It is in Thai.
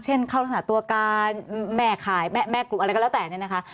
เข้ารักษณะตัวการแม่ขายแม่กลุ่มอะไรก็แล้วแต่เนี่ยนะคะ